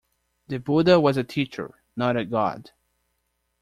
The Buddha was a teacher, not a god.